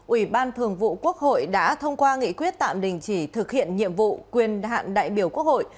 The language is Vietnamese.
ủy ban thường vụ quốc hội đã thông qua nghị quyết tạm đình chỉ thực hiện nhiệm vụ quyền hạn đại biểu quốc hội